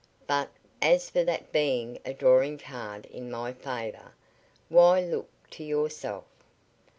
But as for that being a drawing card in my favor, why look to yourself.